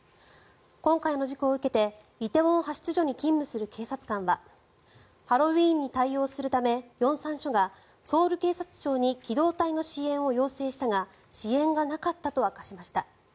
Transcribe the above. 今回の事故を受けて梨泰院派出所に勤務する警察官はハロウィーンに対応するため龍山署がソウル警察庁に機動隊の支援を要請したが支援がなかったと明かしました。